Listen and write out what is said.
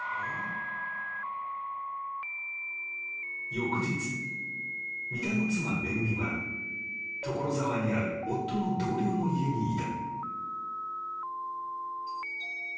［翌日三田の妻恵は所沢にある夫の同僚の家にいた］